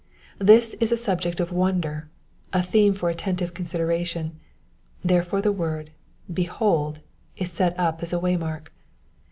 This is a subject of wonder, a theme for attentive considera tion, therefore the word ^^ Behold ^^ is set up as ,a way mark.